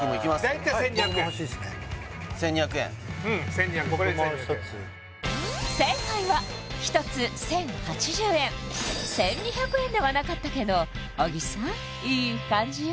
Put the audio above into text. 大体１２００円１２００円僕も１つ正解は１つ１０８０円１２００円ではなかったけど小木さんいい感じよ